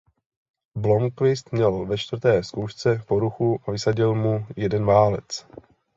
Blomqvist měl ve čtvrté zkoušce poruchu a vysadil mu jeden válec.